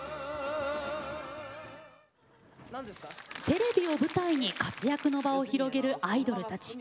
テレビを舞台に活躍の場を広げるアイドルたち。